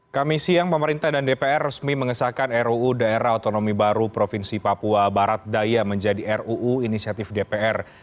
kami siang pemerintah dan dpr resmi mengesahkan ruu daerah otonomi baru provinsi papua barat daya menjadi ruu inisiatif dpr